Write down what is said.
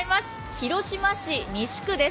広島市西区です。